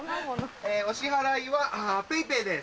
お支払いはＰａｙＰａｙで済んでますね。